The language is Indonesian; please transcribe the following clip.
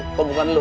kalau bukan lu